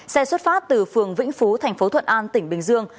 xe xuất phát từ phường vĩnh phú thành phố thuận an tỉnh bình dương